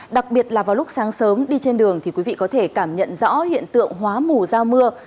đặc biệt là vào lúc sáng sớm đi trên đường thì quý vị có thể cảm nhận rõ hiện tượng hóa mù giao mưa